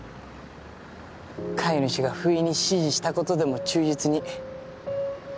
飼い主がふいに指示したことでも忠実に。